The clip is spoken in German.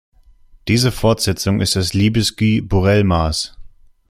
Diese Fortsetzung ist das Lebesgue-Borel-Maß.